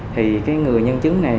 thì cái người nhân chứng này